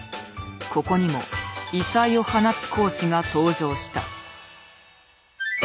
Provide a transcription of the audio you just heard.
ここにも異彩を放つ講師が登場した。